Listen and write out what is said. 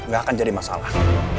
gak akan jadi masalah